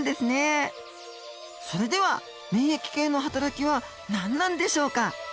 それでは免疫系のはたらきは何なんでしょうか？